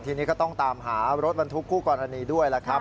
ทีนี้ก็ต้องตามหารถบรรทุกคู่กรณีด้วยล่ะครับ